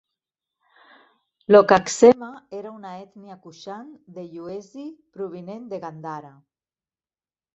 Lokaksema era una ètnia Kushan de Yuezhi provinent de Gandhara.